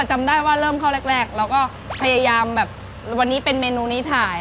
จำได้ว่าเริ่มเข้าแรกเราก็พยายามแบบวันนี้เป็นเมนูนี้ถ่าย